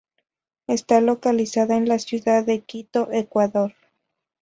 Está localizada en la ciudad de Quito, Ecuador.